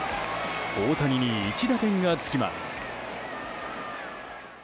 大谷に１打点が付きます。